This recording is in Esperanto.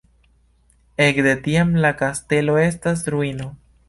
Ekde tiam la kastelo estas ruino.